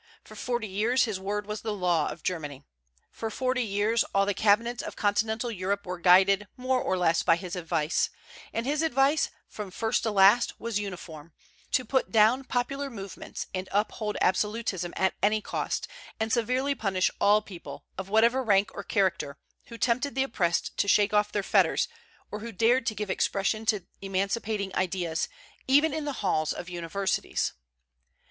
For forty years his word was the law of Germany. For forty years all the cabinets of continental Europe were guided more or less by his advice; and his advice, from first to last, was uniform, to put down popular movements and uphold absolutism at any cost, and severely punish all people, of whatever rank or character, who tempted the oppressed to shake off their fetters, or who dared to give expression to emancipating ideas, even in the halls of universities.